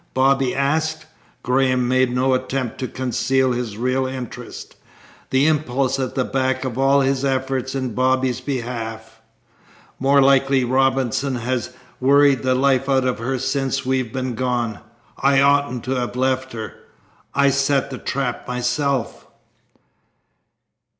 Bobby asked. Graham made no attempt to conceal his real interest, the impulse at the back of all his efforts in Bobby's behalf. "More likely Robinson has worried the life out of her since we've been gone. I oughtn't to have left her. I set the trap myself."